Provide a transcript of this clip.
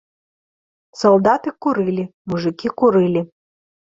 Салдаты курылі, мужыкі курылі.